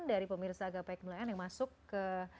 dari pemirsa gapai kemuliaan yang masuk ke